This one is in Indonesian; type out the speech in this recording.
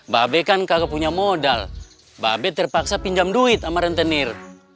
ba be kan kagak punya modal ba be terpaksa pinjam duit sama rentenir